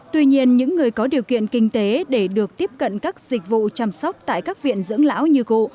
tuy nhiên những người có điều kiện kinh tế để được tiếp cận các dịch vụ chăm sóc tại các viện dưỡng lão như cụ